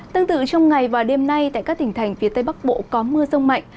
tương tự trong ngày và đêm nay tại các tỉnh thành phía tây bắc bộ có mưa rông mạnh